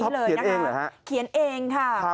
นี่พี่ท็อปเขียนเองเหรอคะ